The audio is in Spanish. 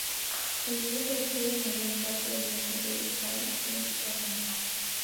El libro que describe la mayor parte del viaje es de Carl Friedrich Behrens.